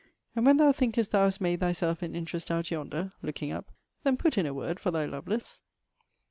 'And when thou thinkest thou hast made thyself an interest out yonder (looking up) then put in a word for thy Lovelace.'